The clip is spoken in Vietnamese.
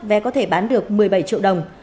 vé có thể bán được một mươi bảy triệu đồng